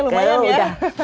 pressure nya lumayan ya